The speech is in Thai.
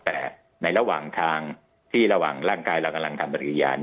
แต่ในระหว่างทางที่ระหว่างร่างกายเรากำลังทำปฏิญาณ